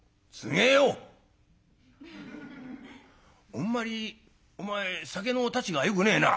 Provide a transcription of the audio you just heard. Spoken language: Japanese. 「あんまりお前酒のたちがよくねえな」。